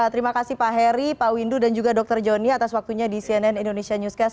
terima kasih pak heri pak windu dan juga dr joni atas waktunya di cnn indonesia newscast